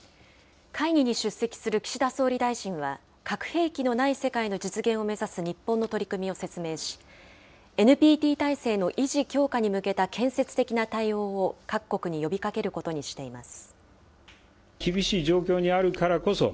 会議に出席する岸田総理大臣は、核兵器のない世界の実現を目指す日本の取り組みを説明し、ＮＰＴ体制の維持・強化に向けた建設的な対応を、各国に呼びかけることにしています。